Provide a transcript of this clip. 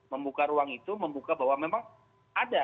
membuka ruang itu membuka bahwa memang ada